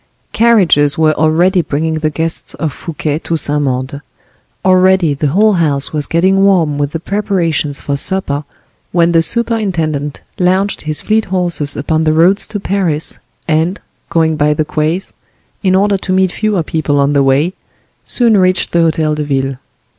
Carriages were already bringing the guests of Fouquet to Saint Mande; already the whole house was getting warm with the preparations for supper, when the superintendent launched his fleet horses upon the roads to Paris, and going by the quays, in order to meet fewer people on the way, soon reached the Hotel de Ville.